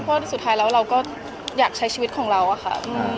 เพราะสุดท้ายแล้วเราก็อยากใช้ชีวิตของเราอะค่ะ